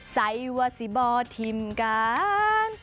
ไซวาซิบอทิมกัน